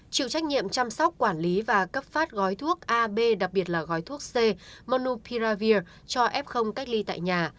chịu trách nhiệm chăm sóc quản lý và cấp phát gói thuốc ab đặc biệt là gói thuốc cmupiravir cho f cách ly tại nhà